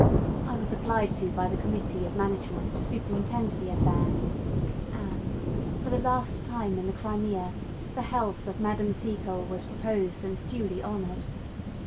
I was applied to by the committee of management to superintend the affair, and, for the last time in the Crimea, the health of Madame Seacole was proposed and duly honoured.